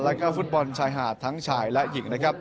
และฟุตบอลชายหาดทั้งชายและหญิง